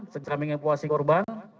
secara mengenal evakuasi korban